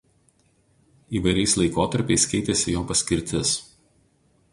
Įvairiais laikotarpiais keitėsi jo paskirtis.